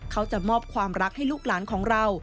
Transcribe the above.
เขาจะมอบความรักให้ลูกหลานของเรา